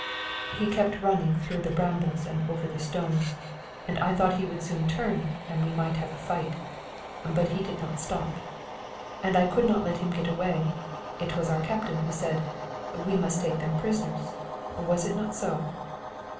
He kept running through the brambles and over the stones, and I thought he would soon turn and we might have a fight, but he did not stop; and I could not let him get away. It was our captain who said, 'We must take them prisoners,' was it not so?"